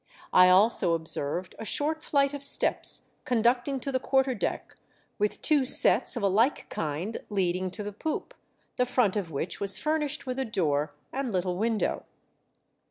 I also observed a short flight of steps conducting to the quarter deck, with two sets of a like kind leading to the poop, the front of which was furnished with a door and little window.